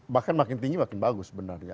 bahkan makin tinggi makin bagus sebenarnya